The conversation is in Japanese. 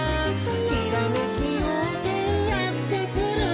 「ひらめきようせいやってくる」